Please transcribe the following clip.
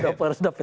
udah pecah lagi